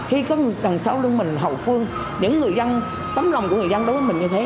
khi có người sáu lưng mình hậu phương những người dân tấm lòng của người dân đối với mình như thế